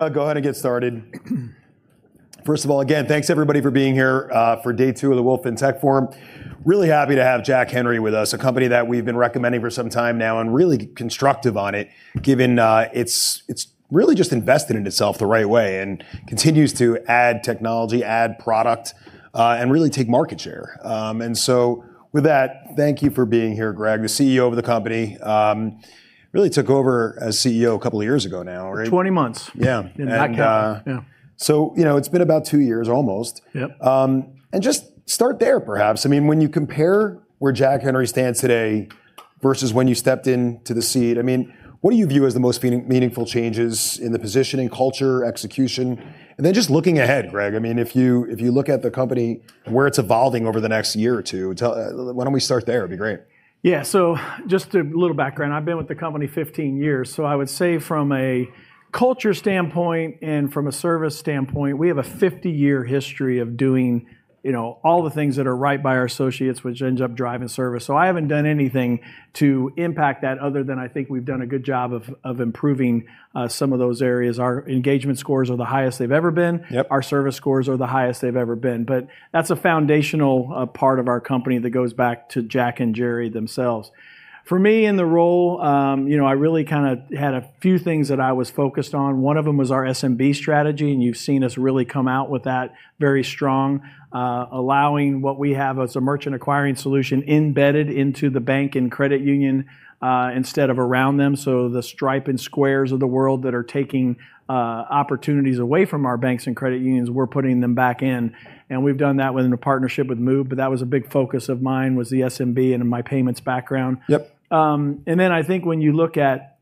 I'll go ahead and get started. First of all, again, thanks everybody for being here for day two of the Wolfe FinTech Forum. Really happy to have Jack Henry with us, a company that we've been recommending for some time now, and really constructive on it given it's really just invested in itself the right way and continues to add technology, add product, and really take market share. With that, thank you for being here, Greg. The CEO of the company really took over as CEO a couple of years ago now, right? 20 months. Yeah. In that count, yeah. You know, it's been about 2 years almost. Yep. Just start there perhaps. I mean, when you compare where Jack Henry stands today versus when you stepped into the seat, I mean, what do you view as the most meaningful changes in the positioning, culture, execution? Then just looking ahead, Greg, I mean, if you look at the company, where it's evolving over the next year or two, why don't we start there? It'd be great. Yeah. Just a little background. I've been with the company 15 years, so I would say from a culture standpoint and from a service standpoint, we have a 50-year history of doing, you know, all the things that are right by our associates, which ends up driving service. I haven't done anything to impact that other than I think we've done a good job of improving some of those areas. Our engagement scores are the highest they've ever been. Yep. Our service scores are the highest they've ever been. That's a foundational part of our company that goes back to Jack and Jerry themselves. For me, in the role, you know, I really kinda had a few things that I was focused on. One of them was our SMB strategy, and you've seen us really come out with that very strong, allowing what we have as a merchant acquiring solution embedded into the bank and credit union, instead of around them. The Stripe and Square's of the world that are taking opportunities away from our banks and credit unions, we're putting them back in, and we've done that within a partnership with Moov, but that was a big focus of mine, was the SMB and my payments background. Yep. I think when you look at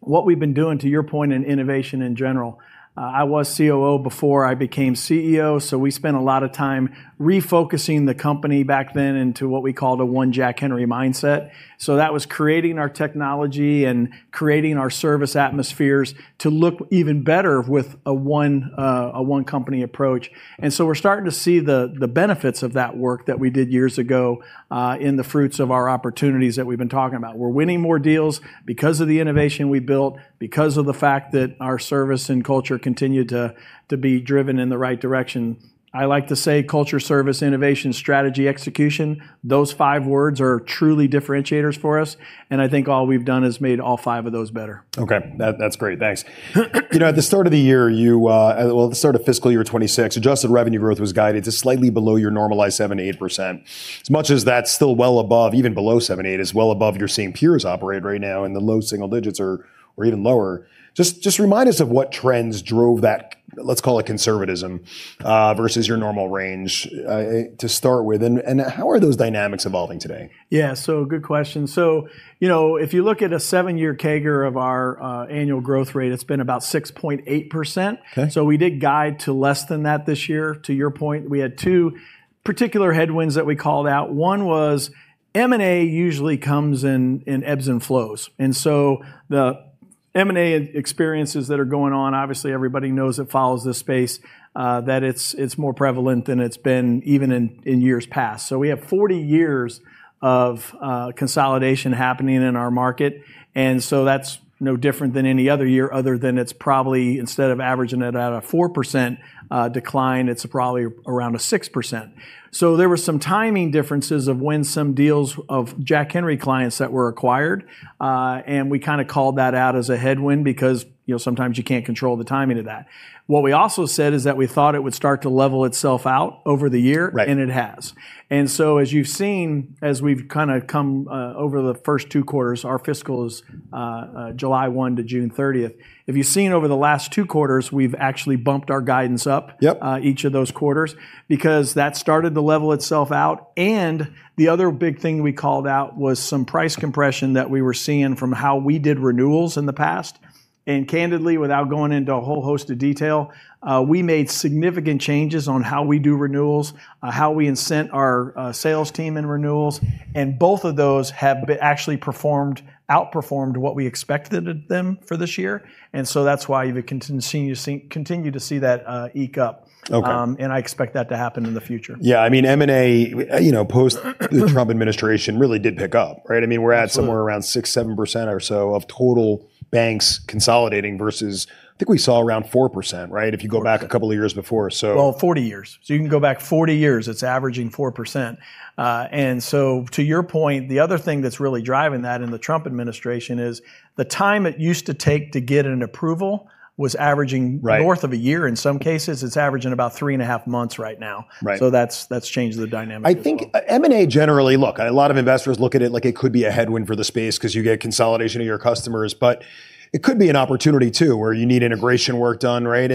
what we've been doing, to your point in innovation in general, I was COO before I became CEO, so we spent a lot of time refocusing the company back then into what we call the One Jack Henry mindset. That was creating our technology and creating our service atmospheres to look even better with a one company approach. We're starting to see the benefits of that work that we did years ago in the fruits of our opportunities that we've been talking about. We're winning more deals because of the innovation we built, because of the fact that our service and culture continue to be driven in the right direction. I like to say culture, service, innovation, strategy, execution. Those five words are truly differentiators for us, and I think all we've done is made all five of those better. Okay. That's great. Thanks. At the start of fiscal year 2026, adjusted revenue growth was guided to slightly below your normalized 7%-8%. As much as that's still well above, even below 7%-8%, is well above what your peers operate right now in the low single digits or even lower. Just remind us of what trends drove that, let's call it conservatism, versus your normal range, to start with, and how are those dynamics evolving today? Yeah. Good question. You know, if you look at a seven-year CAGR of our annual growth rate, it's been about 6.8%. Okay. We did guide to less than that this year. To your point, we had two particular headwinds that we called out. One was M&A usually comes in ebbs and flows. The M&A experiences that are going on, obviously everybody who follows this space knows that it's more prevalent than it's been even in years past. We have 40 years of consolidation happening in our market, and that's no different than any other year other than it's probably, instead of averaging it at a 4% decline, it's probably around a 6%. There were some timing differences of when some deals of Jack Henry clients that were acquired, and we kinda called that out as a headwind because, you know, sometimes you can't control the timing of that. What we also said is that we thought it would start to level itself out over the year. Right. It has. As you've seen, as we've kinda come over the first two quarters, our fiscal is July 1 to June 30th. If you've seen over the last two quarters, we've actually bumped our guidance up. Yep. Each of those quarters because that started to level itself out. The other big thing we called out was some price compression that we were seeing from how we did renewals in the past. Candidly, without going into a whole host of detail, we made significant changes on how we do renewals, how we incent our sales team in renewals, and both of those have actually outperformed what we expected them for this year, and so that's why you continue to see that tick up. Okay. I expect that to happen in the future. Yeah. I mean, M&A, you know, post the Trump administration really did pick up, right? I mean, we're at somewhere around 6%-7% or so of total banks consolidating versus, I think we saw around 4%, right? If you go back a couple of years before, so. Well, 40 years. You can go back 40 years, it's averaging 4%. To your point, the other thing that's really driving that in the Trump administration is the time it used to take to get an approval was averaging. Right. North of a year in some cases. It's averaging about three and a half months right now. Right. That's changed the dynamic as well. I think M&A generally. Look, a lot of investors look at it like it could be a headwind for the space 'cause you get consolidation of your customers. But it could be an opportunity too, where you need integration work done, right?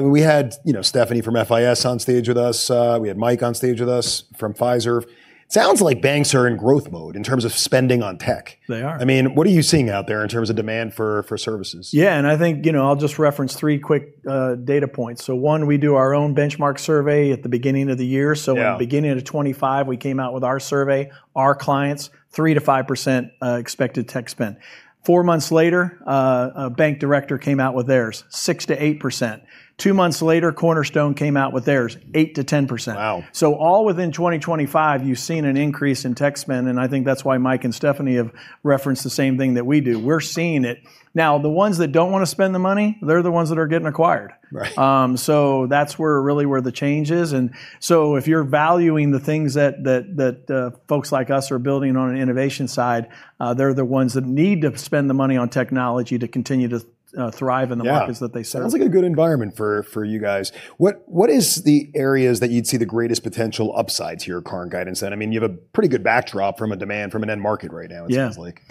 We had, you know, Stephanie from FIS on stage with us. We had Mike on stage with us from Fiserv. Sounds like banks are in growth mode in terms of spending on tech. They are. I mean, what are you seeing out there in terms of demand for services? I think, you know, I'll just reference three quick data points. One, we do our own benchmark survey at the beginning of the year. Yeah. In the beginning of 2025, we came out with our survey. Our clients, 3%-5%, expected tech spend. Four months later, a Bank Director came out with theirs, 6%-8%. Two months later, Cornerstone came out with theirs, 8%-10%. Wow. All within 2025, you've seen an increase in tech spend, and I think that's why Mike and Stephanie have referenced the same thing that we do. We're seeing it. Now, the ones that don't wanna spend the money, they're the ones that are getting acquired. Right. That's where really where the change is. If you're valuing the things that folks like us are building on an innovation side, they're the ones that need to spend the money on technology to continue to thrive in the markets. Yeah. That they serve. Sounds like a good environment for you guys. What is the areas that you'd see the greatest potential upsides to your current guidance then? I mean, you have a pretty good backdrop from a demand from an end market right now. Yeah. It sounds like.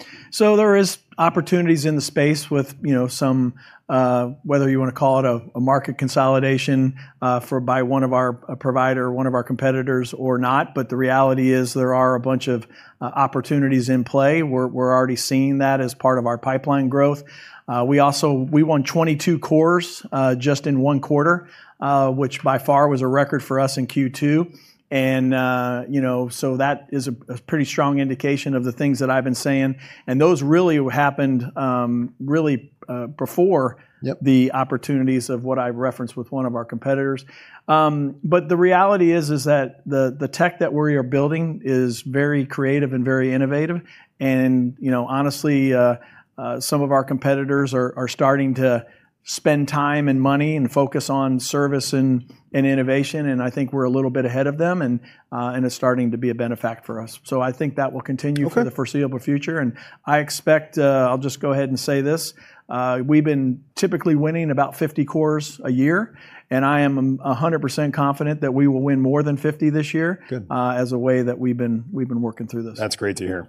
There are opportunities in the space with, you know, some, whether you wanna call it a market consolidation bought by one of our providers, one of our competitors or not. The reality is there are a bunch of opportunities in play. We're already seeing that as part of our pipeline growth. We also won 22 cores just in one quarter, which by far was a record for us in Q2. That is a pretty strong indication of the things that I've been saying. Those really happened really before- Yep. The opportunities of what I referenced with one of our competitors. The reality is that the tech that we are building is very creative and very innovative, and you know, honestly, some of our competitors are starting to spend time and money and focus on service and innovation, and I think we're a little bit ahead of them, and it's starting to be a benefit for us. I think that will continue. Okay. For the foreseeable future. I expect, I'll just go ahead and say this, we've been typically winning about 50 cores a year, and I am 100% confident that we will win more than 50 this year. Good. As a way that we've been working through this. That's great to hear.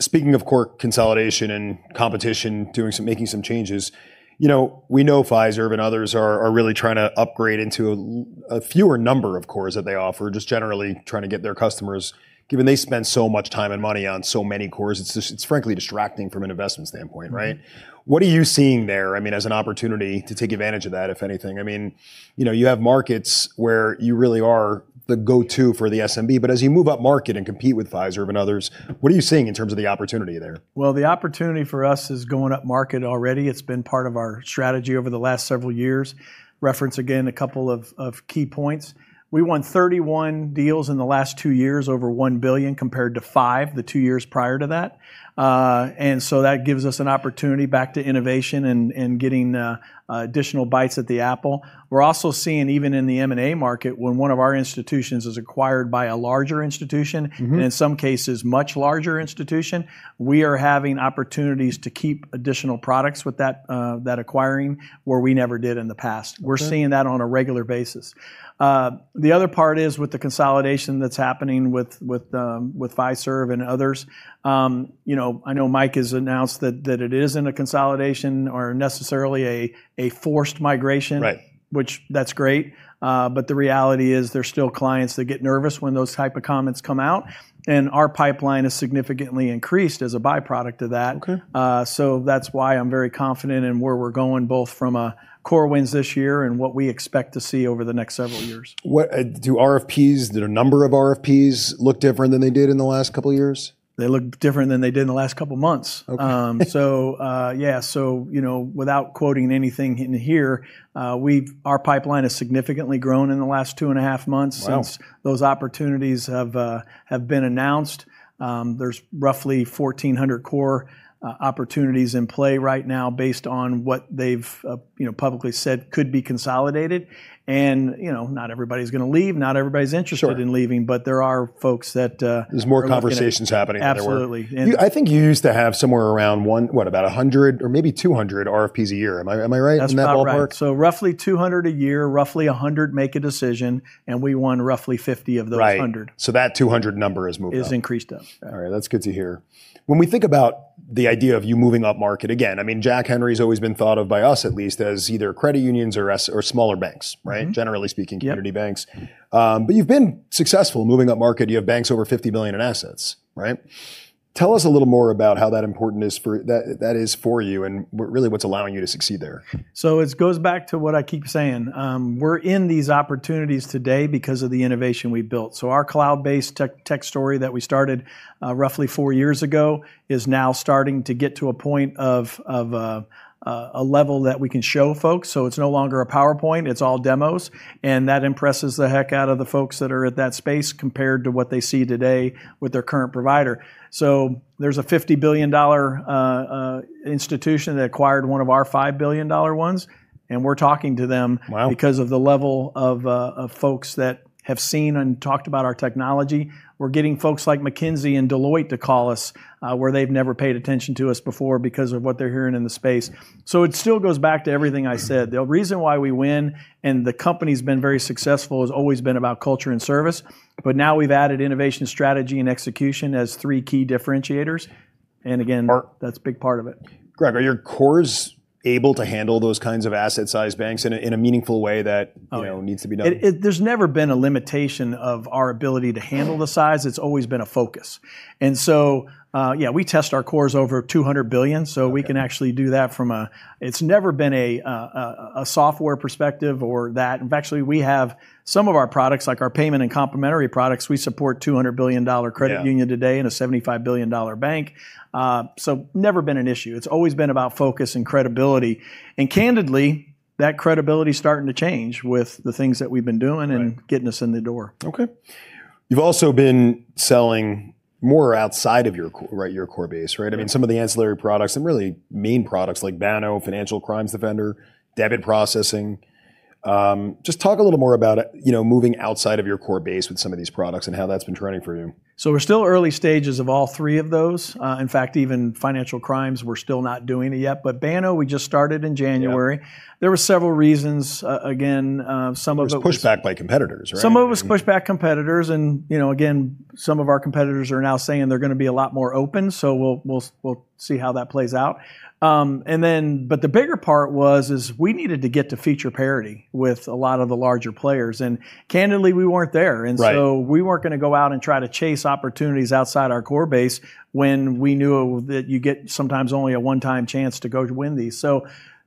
Speaking of core consolidation and competition making some changes, you know, we know Fiserv and others are really trying to upgrade into a fewer number of cores that they offer, just generally trying to get their customers, given they spend so much time and money on so many cores. It's just frankly distracting from an investment standpoint, right? What are you seeing there, I mean, as an opportunity to take advantage of that, if anything? I mean, you know, you have markets where you really are the go-to for the SMB. As you move upmarket and compete with Fiserv and others, what are you seeing in terms of the opportunity there? Well, the opportunity for us is going upmarket already. It's been part of our strategy over the last several years. Reference again a couple of key points. We won 31 deals in the last two years over $1 billion, compared to 5 the two years prior to that. That gives us an opportunity, back to innovation and getting additional bites at the apple. We're also seeing even in the M&A market when one of our institutions is acquired by a larger institution- In some cases much larger institution, we are having opportunities to keep additional products with that acquirer, where we never did in the past. Okay. We're seeing that on a regular basis. The other part is with the consolidation that's happening with Fiserv and others. You know, I know Mike has announced that it isn't a consolidation or necessarily a forced migration. Right. That's great. The reality is there's still clients that get nervous when those type of comments come out, and our pipeline has significantly increased as a byproduct of that. Okay. That's why I'm very confident in where we're going, both from a core wins this year and what we expect to see over the next several years. What do the number of RFPs look different than they did in the last couple years? They look different than they did in the last couple months. Okay. You know, without quoting anything in here, our pipeline has significantly grown in the last two and a half months. Wow. Since those opportunities have been announced. There's roughly 1,400 core opportunities in play right now based on what they've you know, publicly said could be consolidated. You know, not everybody's gonna leave, not everybody's interested. Sure. There are folks that are looking at. There's more conversations happening than there were. Absolutely. I think you used to have somewhere around 100 or maybe 200 RFPs a year. Am I right in that ballpark? That's about right. Roughly 200 a year. Roughly 100 make a decision, and we won roughly 50 of those 100. Right. That 200 number has moved up. Has increased up. All right. That's good to hear. When we think about the idea of you moving upmarket, again, I mean, Jack Henry's always been thought of, by us at least, as either credit unions or smaller banks, right? Generally speaking. Yep. Community banks. You've been successful moving upmarket. You have banks over 50 billion in assets, right? Tell us a little more about how that is for you, and really what's allowing you to succeed there. It goes back to what I keep saying. We're in these opportunities today because of the innovation we built. Our cloud-based tech story that we started roughly four years ago is now starting to get to a point of a level that we can show folks. It's no longer a PowerPoint, it's all demos, and that impresses the heck out of the folks that are in that space compared to what they see today with their current provider. There's a $50 billion institution that acquired one of our $5 billion ones, and we're talking to them. Wow. Because of the level of folks that have seen and talked about our technology. We're getting folks like McKinsey and Deloitte to call us, where they've never paid attention to us before because of what they're hearing in the space. It still goes back to everything I said. The reason why we win and the company's been very successful has always been about culture and service, but now we've added innovation strategy and execution as three key differentiators. Again. Are. That's a big part of it. Greg, are your cores able to handle those kinds of asset size banks in a meaningful way? Yeah. You know, needs to be done? There's never been a limitation of our ability to handle the size. It's always been a focus. Yeah, we test our cores over $200 billion. Okay. We can actually do that. It's never been a software perspective or that. In fact, we have some of our products, like our payment and complementary products. We support $200 billion credit union today. Yeah. A $75 billion bank. Never been an issue. It's always been about focus and credibility. Candidly, that credibility's starting to change with the things that we've been doing. Right. Getting us in the door. Okay. You've also been selling more outside of your core base, right? Yeah. I mean, some of the ancillary products and really main products like Banno, Financial Crimes Defender, debit processing. Just talk a little more about, you know, moving outside of your core base with some of these products and how that's been trending for you. We're still early stages of all three of those. In fact, even financial crimes, we're still not doing it yet. Banno, we just started in January. Yeah. There were several reasons. Some of it was. It was pushed back by competitors, right? I mean. Some of it was pushback from competitors, you know, again, some of our competitors are now saying they're gonna be a lot more open, so we'll see how that plays out. The bigger part was we needed to get to feature parity with a lot of the larger players, and candidly, we weren't there. Right. We weren't gonna go out and try to chase opportunities outside our core base when we knew that you get sometimes only a one-time chance to go to win these.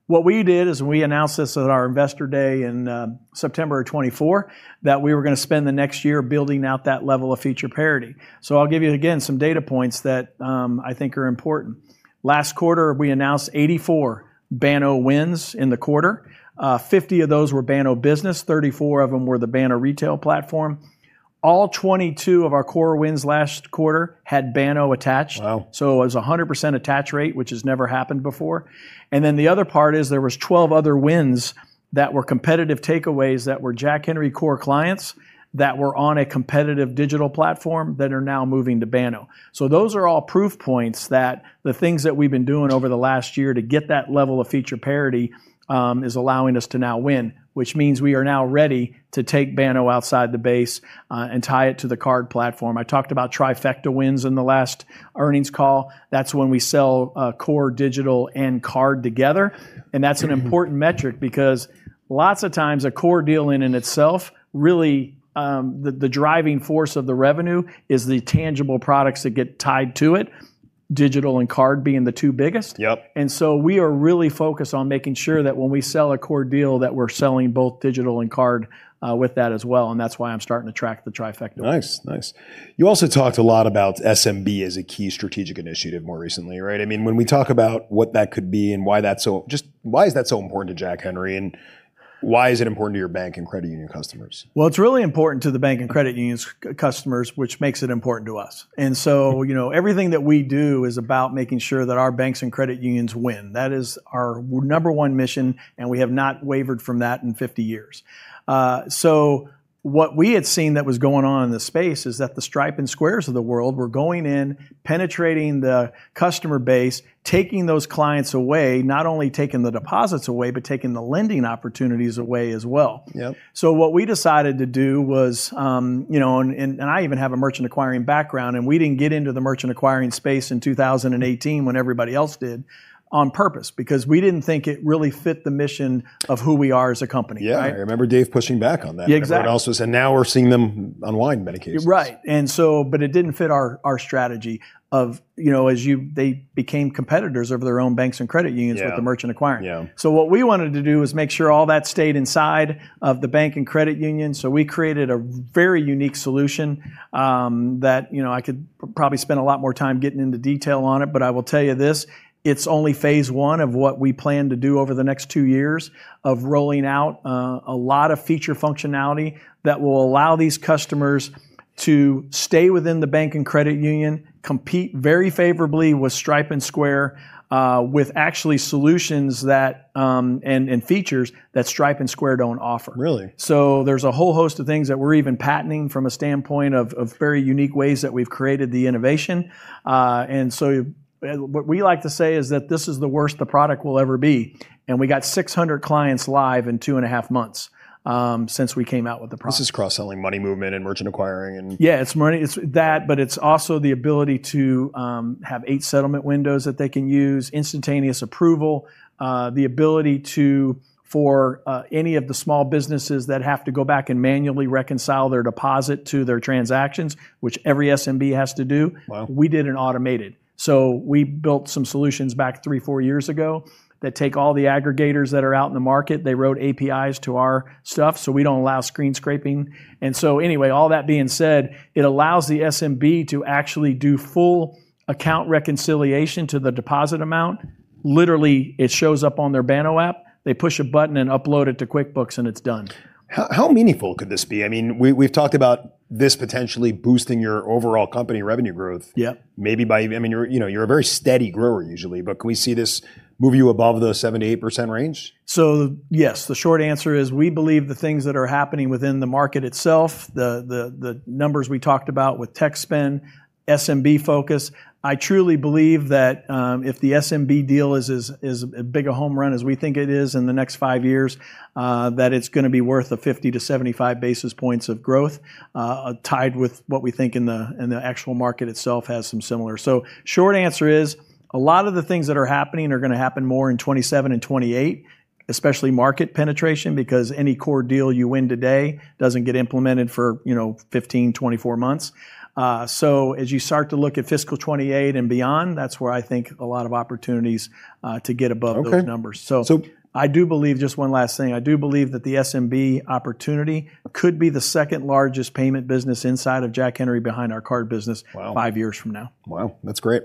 What we did is we announced this at our investor day in September 2024 that we were gonna spend the next year building out that level of feature parity. I'll give you, again, some data points that I think are important. Last quarter, we announced 84 Banno wins in the quarter. Fifty of those were Banno business, 34 of them were the Banno retail platform. All 22 of our core wins last quarter had Banno attached. Wow. It was 100% attach rate, which has never happened before. The other part is there were 12 other wins that were competitive takeaways that were Jack Henry core clients that were on a competitive digital platform that are now moving to Banno. Those are all proof points that the things that we've been doing over the last year to get that level of feature parity is allowing us to now win, which means we are now ready to take Banno outside the base and tie it to the card platform. I talked about trifecta wins in the last earnings call. That's when we sell core digital and card together. That's an important metric because lots of times a core deal in itself really the driving force of the revenue is the tangible products that get tied to it, digital and card being the two biggest. Yep. We are really focused on making sure that when we sell a core deal that we're selling both digital and card with that as well, and that's why I'm starting to track the trifecta wins. Nice. You also talked a lot about SMB as a key strategic initiative more recently, right? I mean, when we talk about what that could be. Just why is that so important to Jack Henry, and why is it important to your bank and credit union customers? Well, it's really important to the banks and credit unions customers, which makes it important to us. You know, everything that we do is about making sure that our banks and credit unions win. That is our number one mission, and we have not wavered from that in 50 years. What we had seen that was going on in the space is that the Stripe and Square of the world were going in, penetrating the customer base, taking those clients away, not only taking the deposits away, but taking the lending opportunities away as well. Yep. What we decided to do was, you know, and I even have a merchant acquiring background, and we didn't get into the merchant acquiring space in 2018 when everybody else did on purpose because we didn't think it really fit the mission of who we are as a company, right? Yeah, I remember Dave pushing back on that. Exactly. Everybody else was. Now we're seeing them unwind in many cases. Right. It didn't fit our strategy, you know, they became competitors to their own banks and credit unions. Yeah. With the merchant acquiring. Yeah. What we wanted to do was make sure all that stayed inside of the bank and credit union. We created a very unique solution, that, you know, I could probably spend a lot more time getting into detail on it. I will tell you this, it's only phase one of what we plan to do over the next two years of rolling out a lot of feature functionality that will allow these customers to stay within the bank and credit union, compete very favorably with Stripe and Square, with actually solutions that and features that Stripe and Square don't offer. Really? There's a whole host of things that we're even patenting from a standpoint of very unique ways that we've created the innovation. What we like to say is that this is the worst the product will ever be, and we got 600 clients live in two and a half months since we came out with the product. This is cross-selling money movement and merchant acquiring. Yeah, it's money. It's that, but it's also the ability to have 8 settlement windows that they can use, instantaneous approval, the ability for any of the small businesses that have to go back and manually reconcile their deposit to their transactions, which every SMB has to do. Wow. We did and automated. We built some solutions back three or four years ago that take all the aggregators that are out in the market. They wrote APIs to our stuff, so we don't allow screen scraping. Anyway, all that being said, it allows the SMB to actually do full account reconciliation to the deposit amount. Literally, it shows up on their Banno app. They push a button and upload it to QuickBooks, and it's done. How meaningful could this be? I mean, we've talked about this potentially boosting your overall company revenue growth. Yeah. Maybe, I mean, you're, you know, you're a very steady grower usually, but can we see this move to above the 78% range? Yes. The short answer is we believe the things that are happening within the market itself, the numbers we talked about with tech spend, SMB focus. I truly believe that if the SMB deal is as big a home run as we think it is in the next five years, that it's gonna be worth a 50-75 basis points of growth, tied with what we think in the actual market itself has some similar. Short answer is a lot of the things that are happening are gonna happen more in 2027 and 2028, especially market penetration, because any core deal you win today doesn't get implemented for, you know, 15-24 months. As you start to look at fiscal 2028 and beyond, that's where I think a lot of opportunities to get above those numbers. Okay. I do believe, just one last thing, I do believe that the SMB opportunity could be the second-largest payment business inside of Jack Henry behind our card business. Wow. Five years from now. Wow, that's great.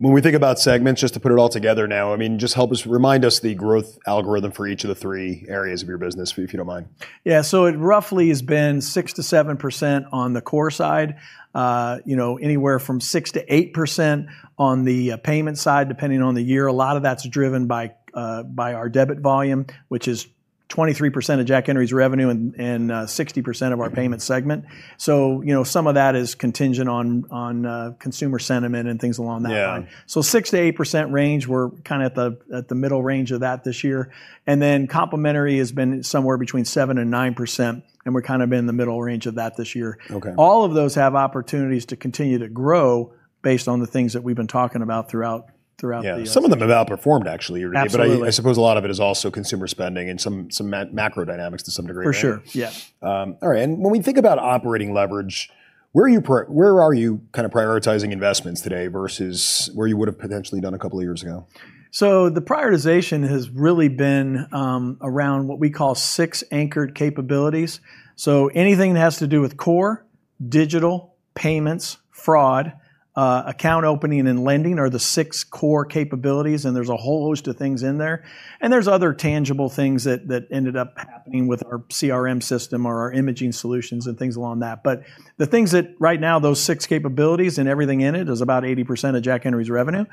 When we think about segments, just to put it all together now, I mean, just help us, remind us the growth algorithm for each of the three areas of your business, if you don't mind. Yeah. It roughly has been 6%-7% on the core side, you know, anywhere from 6%-8% on the payment side, depending on the year. A lot of that's driven by our debit volume, which is 23% of Jack Henry’s revenue and 60% of our payment segment. You know, some of that is contingent on consumer sentiment and things along that line. Yeah. 6%-8% range, we're kind of at the middle range of that this year, and then complementary has been somewhere between 7%-9%, and we're kind of in the middle range of that this year. Okay. All of those have opportunities to continue to grow based on the things that we've been talking about throughout. Yeah. Some of them have outperformed actually year to date. Absolutely. I suppose a lot of it is also consumer spending and some macro dynamics to some degree, right? For sure. Yeah. All right. When we think about operating leverage, where are you kind of prioritizing investments today versus where you would've potentially done a couple of years ago? The prioritization has really been around what we call six anchored capabilities. Anything that has to do with core, digital, payments, fraud, account opening and lending are the six core capabilities, and there's a whole host of things in there, and there's other tangible things that ended up happening with our CRM system or our imaging solutions and things like that. The things that right now, those six capabilities and everything in it is about 80% of Jack Henry's revenue.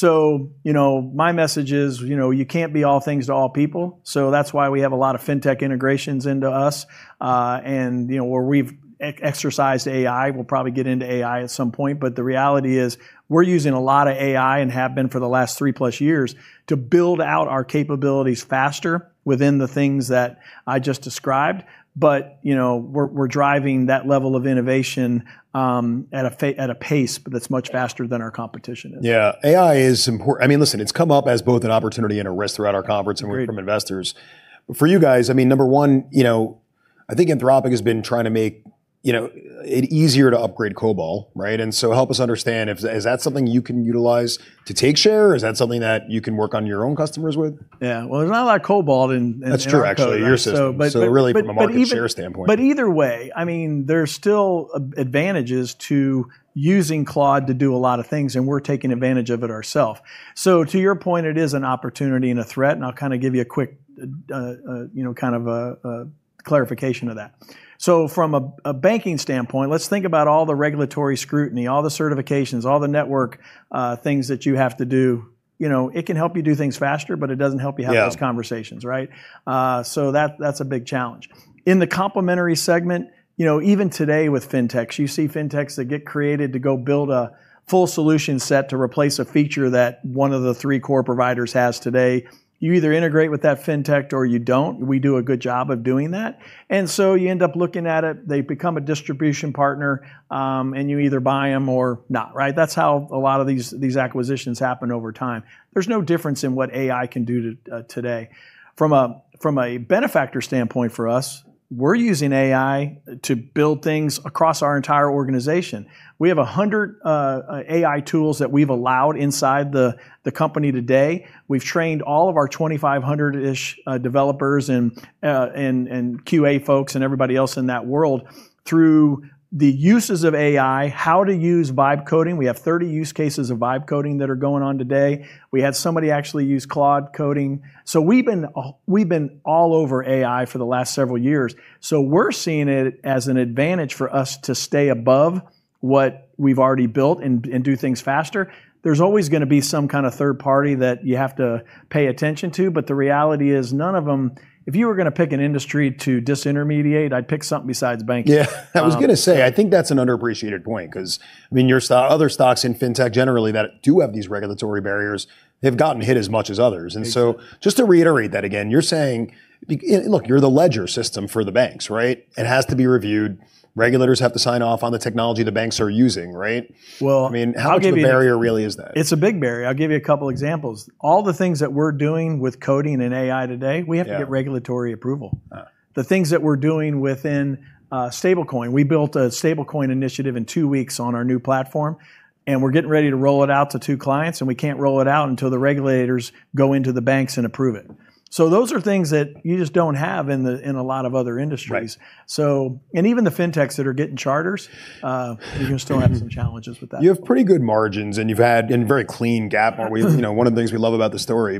You know, my message is, you know, you can't be all things to all people, so that's why we have a lot of fintech integrations into us, and, you know, where we've exercised AI, we'll probably get into AI at some point. The reality is we're using a lot of AI and have been for the last three-plus years to build out our capabilities faster within the things that I just described. You know, we're driving that level of innovation at a pace that's much faster than our competition is. I mean, listen, it's come up as both an opportunity and a risk throughout our conference. Agreed. From investors. For you guys, I mean, number one, you know, I think Anthropic has been trying to make, you know, it easier to upgrade COBOL, right? Help us understand, is that something you can utilize to take share, or is that something that you can work on your own customers with? Yeah. Well, there's not a lot of COBOL in. That's true, actually. In our code. Your system. But, but. Really from a market share standpoint. Either way, I mean, there's still advantages to using Claude to do a lot of things, and we're taking advantage of it ourselves. To your point, it is an opportunity and a threat, and I'll kind of give you a quick, you know, kind of a clarification of that. From a banking standpoint, let's think about all the regulatory scrutiny, all the certifications, all the network things that you have to do. You know, it can help you do things faster, but it doesn't help you have. Yeah. Those conversations, right? That, that's a big challenge. In the complementary segment, you know, even today with fintechs, you see fintechs that get created to go build a full solution set to replace a feature that one of the three core providers has today. You either integrate with that fintech or you don't. We do a good job of doing that. You end up looking at it, they become a distribution partner, and you either buy them or not, right? That's how a lot of these acquisitions happen over time. There's no difference in what AI can do today. From a beneficiary standpoint for us, we're using AI to build things across our entire organization. We have 100 AI tools that we've allowed inside the company today. We've trained all of our 2,500-ish developers and QA folks and everybody else in that world through the uses of AI, how to use Vibe Coding. We have 30 use cases of Vibe Coding that are going on today. We had somebody actually use Claude Code. We've been all over AI for the last several years. We're seeing it as an advantage for us to stay above what we've already built and do things faster. There's always gonna be some kind of third party that you have to pay attention to, but the reality is none of them. If you were gonna pick an industry to disintermediate, I'd pick something besides banking. Yeah. I was gonna say, I think that's an underappreciated point 'cause, I mean, other stocks in fintech generally that do have these regulatory barriers, they've gotten hit as much as others. Exactly. Just to reiterate that again, you're saying Look, you're the ledger system for the banks, right? It has to be reviewed. Regulators have to sign off on the technology the banks are using, right? Well. I mean, how big? I'll give you. A barrier really is that? It's a big barrier. I'll give you a couple examples. All the things that we're doing with coding and AI today. Yeah. We have to get regulatory approval. The things that we're doing within stablecoin, we built a stablecoin initiative in 2 weeks on our new platform, and we're getting ready to roll it out to 2 clients, and we can't roll it out until the regulators go into the banks and approve it. Those are things that you just don't have in the, in a lot of other industries. Right. Even the fintechs that are getting charters, you're gonna still have some challenges with that as well. You have pretty good margins, and you've had, and very clean GAAP, aren't we? You know, one of the things we love about the story.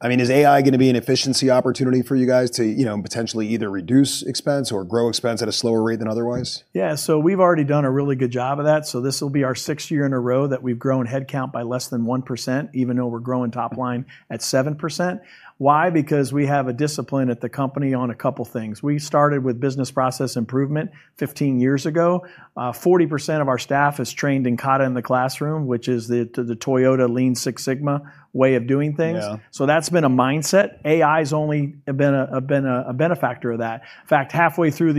I mean, is AI gonna be an efficiency opportunity for you guys to, you know, potentially either reduce expense or grow expense at a slower rate than otherwise? Yeah, we've already done a really good job of that. This will be our sixth year in a row that we've grown head count by less than 1%, even though we're growing top line at 7%. Why? Because we have a discipline at the company on a couple things. We started with business process improvement 15 years ago. 40% of our staff is trained in Kata in the classroom, which is the Toyota Lean Six Sigma way of doing things. Yeah. That's been a mindset. AI's only been a benefactor of that. In fact, halfway through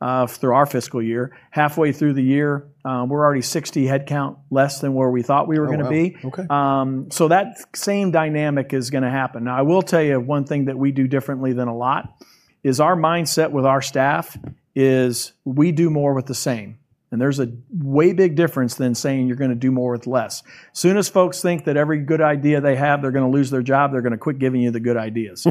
our fiscal year, we're already 60 head count less than where we thought we were gonna be. Wow. Okay. That same dynamic is gonna happen. Now, I will tell you one thing that we do differently than a lot is our mindset with our staff is we do more with the same, and there's a way big difference than saying you're gonna do more with less. Soon as folks think that every good idea they have, they're gonna quit giving you the good ideas.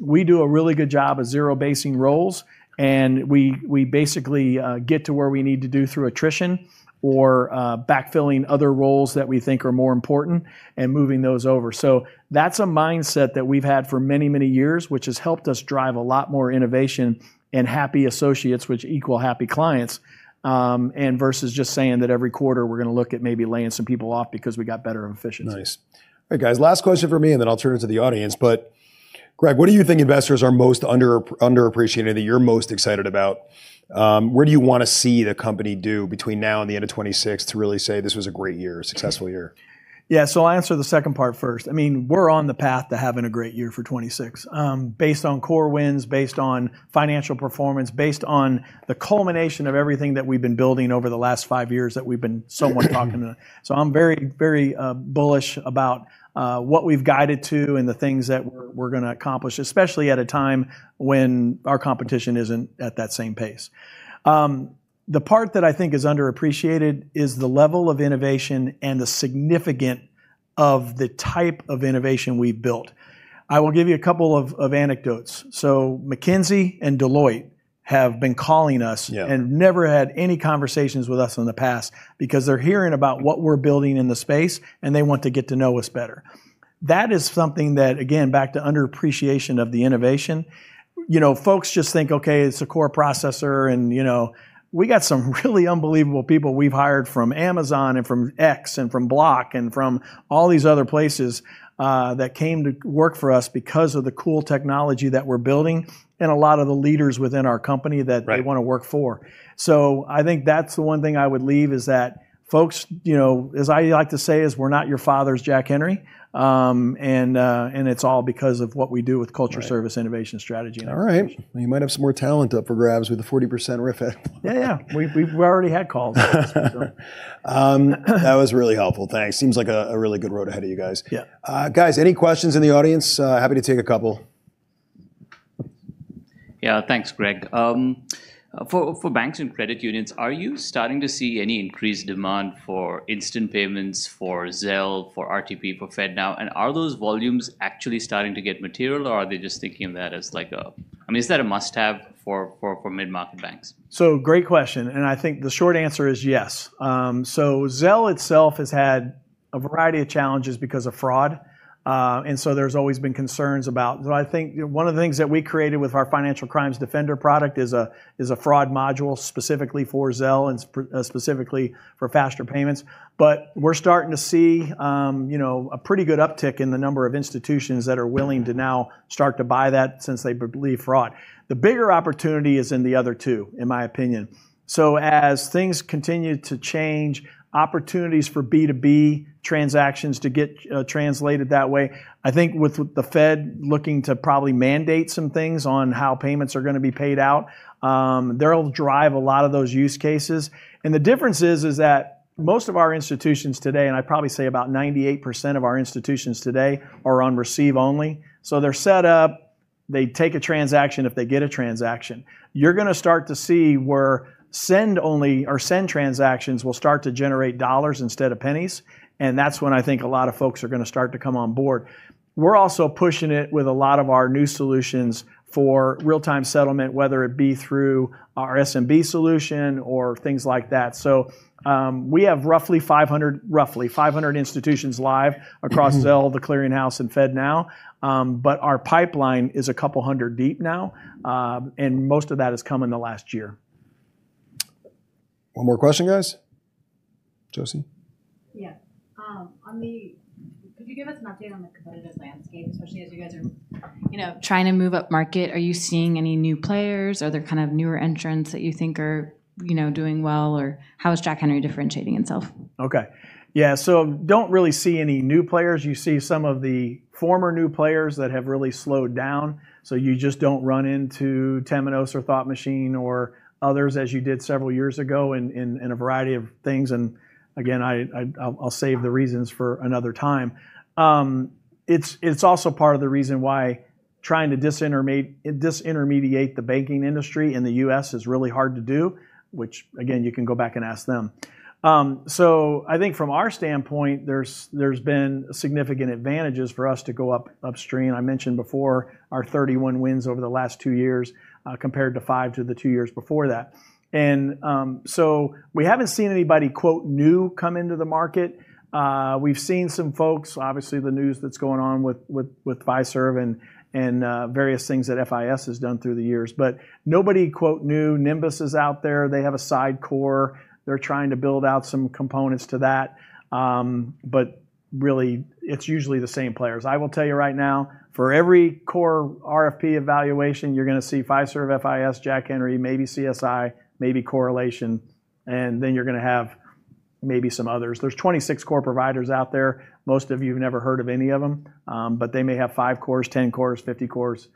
We do a really good job of zero-basing roles, and we basically get to where we need to go through attrition or backfilling other roles that we think are more important and moving those over. That's a mindset that we've had for many, many years, which has helped us drive a lot more innovation and happy associates, which equal happy clients, and versus just saying that every quarter we're gonna look at maybe laying some people off because we got better efficiency. Nice. All right, guys. Last question from me, and then I'll turn it to the audience. Greg, what do you think investors are most underappreciated that you're most excited about? Where do you wanna see the company do between now and the end of 2026 to really say this was a great year, a successful year? Yeah. I'll answer the second part first. I mean, we're on the path to having a great year for 2026, based on core wins, based on financial performance, based on the culmination of everything that we've been building over the last five years that we've been so much talking about. I'm very bullish about what we've guided to and the things that we're gonna accomplish, especially at a time when our competition isn't at that same pace. The part that I think is underappreciated is the level of innovation and the significance of the type of innovation we've built. I will give you a couple of anecdotes. McKinsey and Deloitte have been calling us. Yeah. Never had any conversations with us in the past because they're hearing about what we're building in the space, and they want to get to know us better. That is something that, again, back to underappreciation of the innovation. You know, folks just think, okay, it's a core processor and, you know. We got some really unbelievable people we've hired from Amazon and from X and from Block and from all these other places that came to work for us because of the cool technology that we're building and a lot of the leaders within our company that Right. They wanna work for. I think that's the one thing I would leave is that folks, you know, as I like to say, is we're not your father's Jack Henry. And it's all because of what we do with culture. Right. Service, innovation, strategy, and execution. All right. Well, you might have some more talent up for grabs with the 40% RIF out. Yeah, yeah. We've already had calls. That was really helpful. Thanks. Seems like a really good road ahead of you guys. Yeah. Guys, any questions in the audience? Happy to take a couple. Yeah. Thanks, Greg. For banks and credit unions, are you starting to see any increased demand for instant payments for Zelle, for RTP, for FedNow? Are those volumes actually starting to get material, or are they just thinking that as like a, I mean, is that a must-have for mid-market banks? Great question, and I think the short answer is yes. Zelle itself has had a variety of challenges because of fraud. But I think one of the things that we created with our Financial Crimes Defender product is a fraud module specifically for Zelle and specifically for faster payments. We're starting to see, you know, a pretty good uptick in the number of institutions that are willing to now start to buy that since they believe fraud. The bigger opportunity is in the other two, in my opinion. As things continue to change, opportunities for B2B transactions to get translated that way, I think with the Fed looking to probably mandate some things on how payments are gonna be paid out, they'll drive a lot of those use cases. The difference is that most of our institutions today, and I'd probably say about 98% of our institutions today are on receive only. They're set up. They take a transaction if they get a transaction. You're gonna start to see where send only or send transactions will start to generate dollars instead of pennies, and that's when I think a lot of folks are gonna start to come on board. We're also pushing it with a lot of our new solutions for real-time settlement, whether it be through our SMB solution or things like that. We have roughly 500 institutions live across Zelle, The Clearing House and FedNow. But our pipeline is a couple hundred deep now, and most of that has come in the last year. One more question, guys? Josie? Could you give us an update on the competitive landscape, especially as you guys are, you know, trying to move upmarket? Are you seeing any new players? Are there kind of newer entrants that you think are, you know, doing well? Or how is Jack Henry differentiating itself? Okay. Yeah. Don't really see any new players. You see some of the former new players that have really slowed down. You just don't run into Temenos or Thought Machine or others as you did several years ago in a variety of things. Again, I'll save the reasons for another time. It's also part of the reason why trying to disintermediate the banking industry in the U.S. is really hard to do, which again, you can go back and ask them. I think from our standpoint, there's been significant advantages for us to go upstream. I mentioned before our 31 wins over the last two years compared to five in the two years before that. We haven't seen anybody, quote, "new," come into the market. We've seen some folks, obviously the news that's going on with Fiserv and various things that FIS has done through the years. Nobody, quote, "new". Nymbus is out there. They have a side core. They're trying to build out some components to that. Really, it's usually the same players. I will tell you right now, for every core RFP evaluation, you're gonna see Fiserv, FIS, Jack Henry, maybe CSI, maybe Corelation, and then you're gonna have maybe some others. There's 26 core providers out there. Most of you have never heard of any of them. But they may have 5 cores, 10 cores, 50 cores,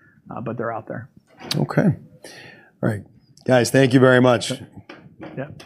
but they're out there. Okay. All right. Guys, thank you very much. Yeah.